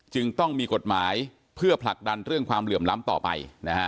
จึงต้องมีกฎหมายเพื่อผลักดันเรื่องความเหลื่อมล้ำต่อไป